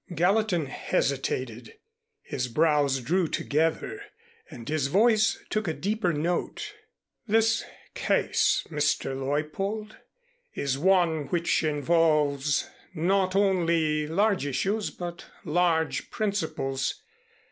Gallatin hesitated, his brows drew together and his voice took a deeper note. "This case, Mr. Leuppold, is one which involves not only large issues but large principles.